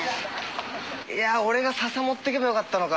いや俺がササ持ってけばよかったのか。